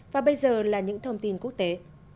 và bây giờ là những thông tin quốc tế